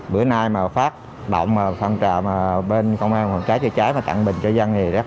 bữa nay mà phát động mà phân trà mà bên công an phòng cháy chữa cháy mà tặng bình cho dân thì rất